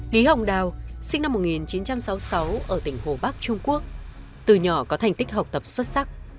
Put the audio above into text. lý hồng đào sinh năm một nghìn chín trăm sáu mươi sáu ở tỉnh hồ bắc trung quốc từ nhỏ có thành tích học tập xuất sắc